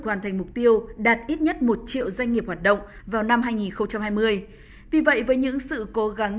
hoàn thành mục tiêu đạt ít nhất một triệu doanh nghiệp hoạt động vào năm hai nghìn hai mươi vì vậy với những sự cố gắng